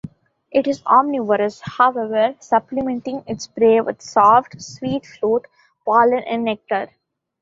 It is omnivorous however, supplementing its prey with soft, sweet fruit, pollen and nectar.